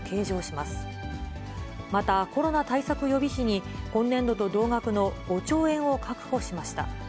またコロナ対策予備費に今年度と同額の、５兆円を確保しました。